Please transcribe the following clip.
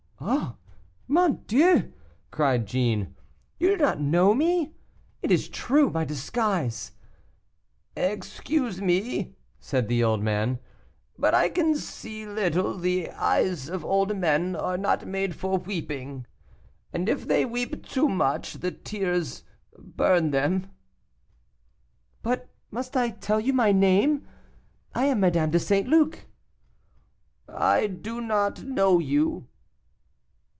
"Oh, mon Dieu!" cried Jeanne, "do you not know me? It is true, my disguise " "Excuse me," said the old man, "but I can see little; the eyes of old men are not made for weeping, and if they weep too much, the tears burn them." "Must I tell you my name? I am Madame de St. Luc." "I do not know you."